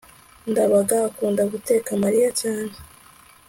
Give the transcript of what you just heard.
ndabaga akunda guteka mariya cyane